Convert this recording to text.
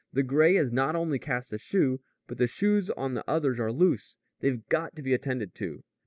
"The gray has not only cast a shoe, but the shoes on the others are loose. They've got to be attended to.